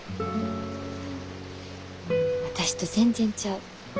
私と全然ちゃう。